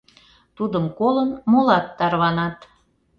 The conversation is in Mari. Тудым колын, молат тарванат.